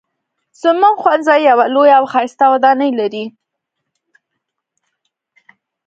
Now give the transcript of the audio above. زموږ ښوونځی یوه لویه او ښایسته ودانۍ لري